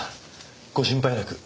ご心配なく。